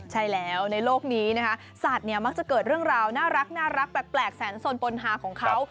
ใช่แล้วในโลกนี้นะคะสัตว์เนี่ยมักจะเกิดเรื่องราวน่ารักแปลกแสนสนปนหาของเขา